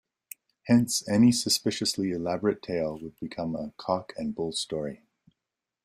Hence any suspiciously elaborate tale would become a cock and bull story.